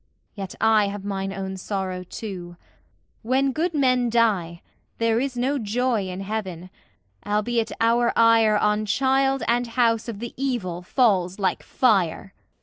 Yet I Have mine own sorrow, too. When good men die, There is no joy in heaven, albeit our ire On child and house of the evil falls like fire.